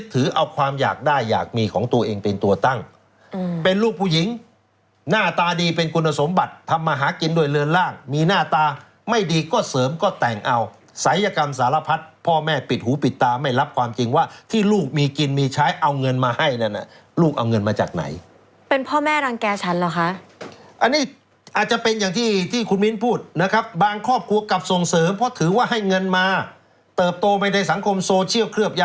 ทำมาหากินโดยเรินร่างมีหน้าตาไม่ดีก็เสริมก็แต่งเอาสายกรรมสารพัฒน์พ่อแม่ปิดหูปิดตาไม่รับความจริงว่าที่ลูกมีกินมีใช้เอาเงินมาให้นะลูกเอาเงินมาจากไหนเป็นพ่อแม่รังแก่ฉันเหรอคะอันนี้อาจจะเป็นอย่างที่ที่คุณมิ้นพูดนะครับบางครอบครัวกลับส่งเสริมเพราะถือว่าให้เงินมาเติบโตไม่ได้